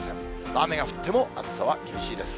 雨が降っても、暑さは厳しいです。